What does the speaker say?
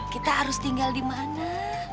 kita harus tinggal di mana